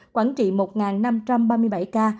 quảng trị một năm trăm ba mươi bảy ca